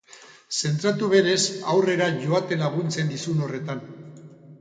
Zentratu berez aurrera joaten laguntzen dizun horretan.